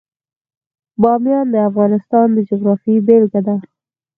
بامیان د افغانستان د جغرافیې بېلګه ده.